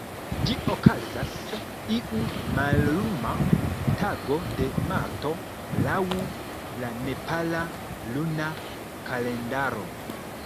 Ĝi okazas iu malluma tago de marto, laŭ la nepala luna kalendaro.